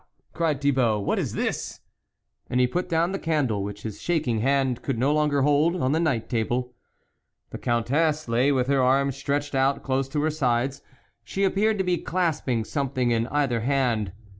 " cried Thibault, "what is this?" and he put down the candle, which his shaking hand could no longer hold, on the night table. The Countess lay with her arms stretch ed out close to her sides ; she appeared to be clasping something in either hand.